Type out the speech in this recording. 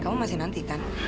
aku tunggu telfon